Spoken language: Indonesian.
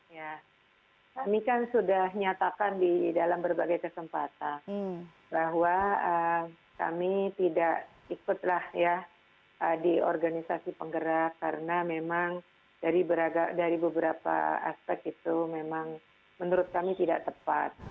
ya kami kan sudah nyatakan di dalam berbagai kesempatan bahwa kami tidak ikutlah ya di organisasi penggerak karena memang dari beberapa aspek itu memang menurut kami tidak tepat